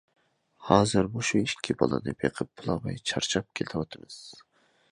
ھازىر مۇشۇ ئىككى بالىنى بېقىپ بولالماي چارچاپ كېتىۋاتىمىز.